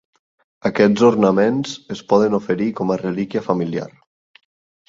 Aquests ornaments es poden oferir com a relíquia familiar.